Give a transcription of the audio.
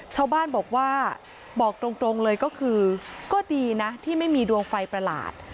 ชาวบ้านบอกว่าบอกตรงเลยก็คือก็ดีนะที่ไม่มีดวงไฟประหลาด